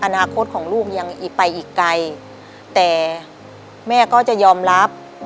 อนาคตของลูกยังไปอีกไกลแต่แม่ก็จะยอมรับ